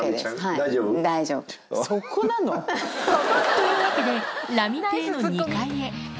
大丈夫。というわけで、ラミ邸の２階へ。